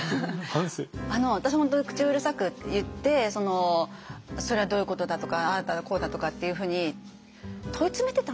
私も本当口うるさく言って「それはどういうことだ」とかああだこうだとかっていうふうに問い詰めてたんだなと思って。